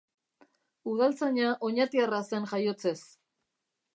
Udaltzaina oñatiarra zen jaiotzez.